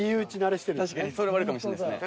確かにそれはあるかもしれないですね。